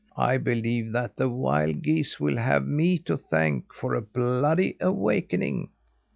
I believe that the wild geese will have me to thank for a bloody awakening."